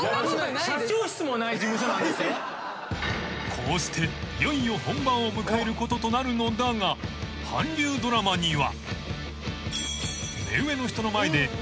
［こうしていよいよ本番を迎えることとなるのだが韓流ドラマには］